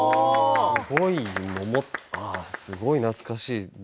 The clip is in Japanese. すごい懐かしい。